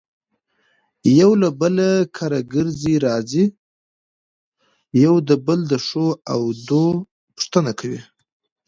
يو له بل کره ځي راځي يو د بل دښو او دو پوښنته کوي.